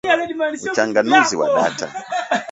UCHANGANUZI WA DATA